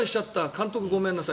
監督ごめんなさい。